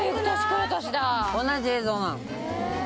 同じ映像なの。